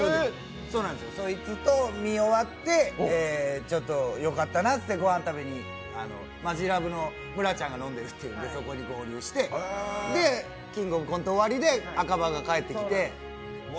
そいつと見終わってよかったなってご飯食べに、マヂラブの村ちゃんが飲んでいるっていうんでそこで合流して、で、「キングオブコント」終わりで赤羽が帰ってきて。